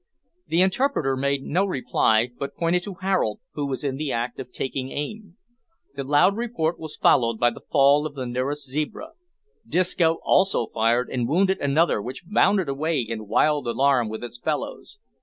The interpreter made no reply, but pointed to Harold, who was in the act of taking aim. The loud report was followed by the fall of the nearest zebra. Disco also fired and wounded another, which bounded away in wild alarm with its fellows.